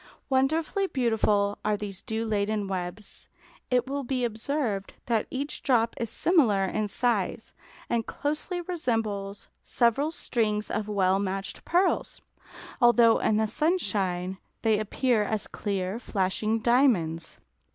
Wonderfully beautiful are these dew laden webs. It will be observed that each drop is similar in size, and closely resembles several strings of well matched pearls, although in the sunshine they appear as clear, flashing diamonds.